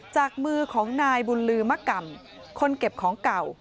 จากมือของนายบุญลือมะกำคนเก็บของเก่า